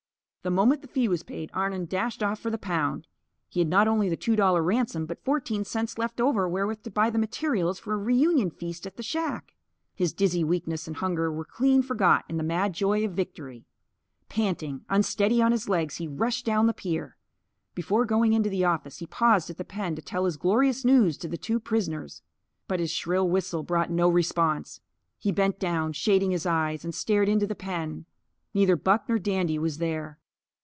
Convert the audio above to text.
The moment the fee was paid, Arnon dashed off for the pound. He had not only the two dollar ransom, but fourteen cents left over wherewith to buy the materials for a reunion feast at the shack. His dizzy weakness and hunger were clean forgot in the mad joy of victory. Panting, unsteady on his legs, he rushed down the pier. Before going into the office he paused at the pen to tell his glorious news to the two prisoners. But his shrill whistle brought no response. He bent down, shading his eyes; and stared into the pen. Neither Buck nor Dandy was there.